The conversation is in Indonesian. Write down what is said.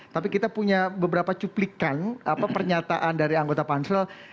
tapi kita punya beberapa cuplikan pernyataan dari anggota pansel